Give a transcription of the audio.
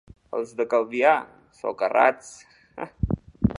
Els de Calvià, socarrats.